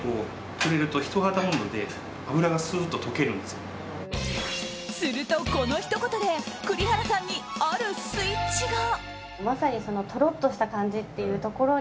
すると、このひと言で栗原さんにあるスイッチが。